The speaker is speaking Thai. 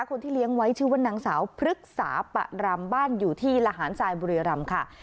คนที่เลี้ยงไว้ชื่อว่านางสาวพฤกษาปะรำบ้านอยู่ที่ระหารทรายบุรีรำค่ะ